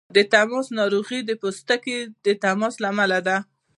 د تماس ناروغۍ د پوست تماس له امله دي.